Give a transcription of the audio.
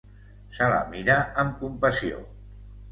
Se la mira amb compassió.